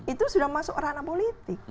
itu sudah masuk ranah politik